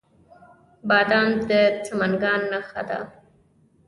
بادام د سمنګان نښه ده.